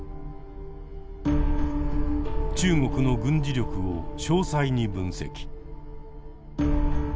中国の軍事力を詳細に分析。